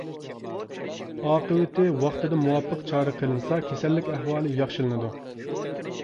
ئاقىۋىتى ۋاقتىدا مۇۋاپىق چارە قىلىنسا كېسەللىك ئەھۋالى ياخشىلىنىدۇ.